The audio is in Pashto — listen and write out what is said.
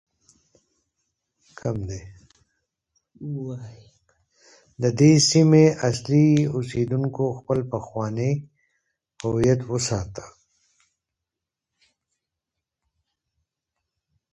د دې سیمې اصلي اوسیدونکو خپل پخوانی هویت وساته.